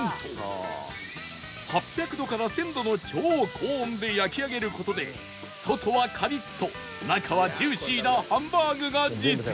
８００度から１０００度の超高温で焼き上げる事で外はカリッと中はジューシーなハンバーグが実現